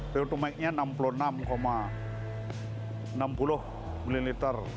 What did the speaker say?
terutama ini enam puluh enam enam puluh ml